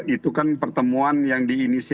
itu kan pertemuan yang diinisiasi